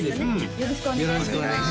よろしくお願いします